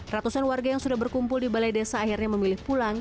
ratusan warga yang sudah berkumpul di balai desa akhirnya memilih pulang